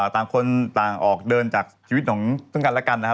ต่างคนต่างออกเดินจากชีวิตของซึ่งกันและกันนะครับ